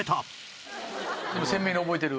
鮮明に覚えてる？